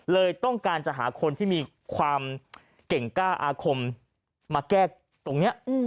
เลยต้องการจะหาคนที่มีความเก่งกล้าอาคมมาแก้ตรงนี้